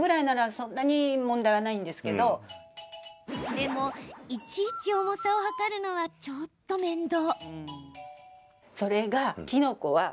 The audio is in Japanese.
でも、いちいち重さを量るのはちょっと面倒。